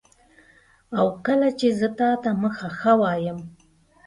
او کله چي زه تاته مخه ښه وایم